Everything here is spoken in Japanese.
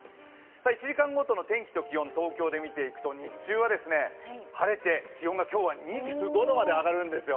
１時間ごとの天気と気温を東京で見ていきますと日中は晴れて気温は今日は２５度まで上がるんですよ。